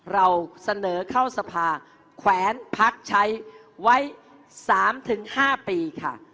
เราเสนอเข้าสภาแขวนพักใช้ไว้๓๕ปีค่ะ